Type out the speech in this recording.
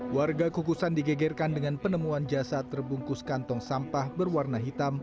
warga kukusan digegerkan dengan penemuan jasad terbungkus kantong sampah berwarna hitam